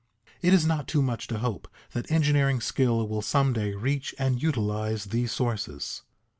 It is not too much to hope that engineering skill will some day reach and utilize these sources.